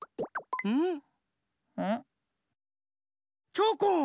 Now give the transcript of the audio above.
チョコン！